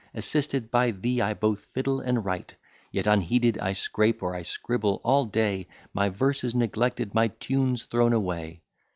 Assisted by thee, I both fiddle and write. Yet unheeded I scrape, or I scribble all day, My verse is neglected, my tunes thrown away.